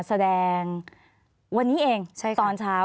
ขอบคุณครับ